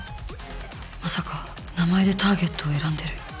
まさか名前でターゲットを選んでる？